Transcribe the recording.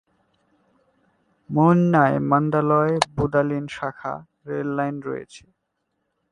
মৌন্যায় Mandalay-Budalin শাখা rail line রয়েছে।